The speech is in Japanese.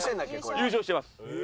優勝してます。